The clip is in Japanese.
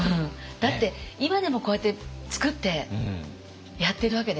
だって今でもこうやって作ってやってるわけですから。